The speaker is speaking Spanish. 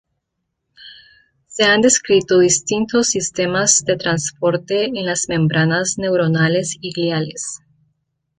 Se han descrito distintos sistemas de transporte en las membranas neuronales y gliales.